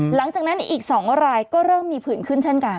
หลังจากนั้นอีก๒รายก็เริ่มมีผื่นขึ้นเช่นกัน